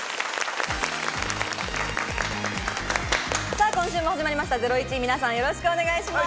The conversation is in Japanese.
さらに今週も始まりました『ゼロイチ』皆さんよろしくお願いします。